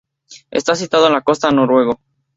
Está situado en la costa noruego.